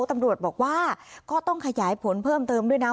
ตำรวจบอกว่าก็ต้องขยายผลเพิ่มเติมด้วยนะ